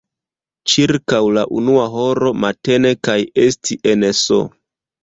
ĉirkaŭ la unua horo matene kaj esti en S.